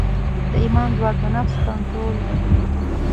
د ایمان ځواک د نفس کنټرول دی.